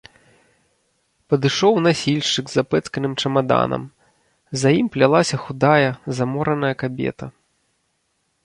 Падышоў насільшчык з запэцканым чамаданам, за ім плялася худая, замораная кабета.